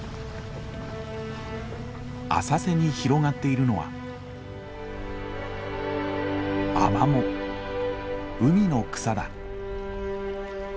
浅瀬に広がっているのは海の草だ。